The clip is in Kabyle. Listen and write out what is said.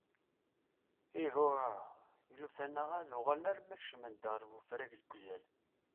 Ihuh ah! ilfan-a ad uɣalen alma keččmen-aɣ-d ɣer ufrag deg uzal.